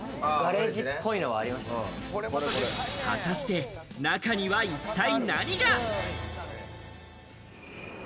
果たして中には一体何が？